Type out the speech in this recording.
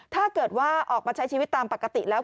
ถ้าเกิดว่าออกมาใช้ชีวิตตามปกติแล้ว